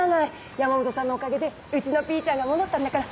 山本さんのおかげでうちのピーちゃんが戻ったんだから。